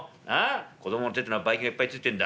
子どもの手ってのはバイ菌がいっぱいついてんだ。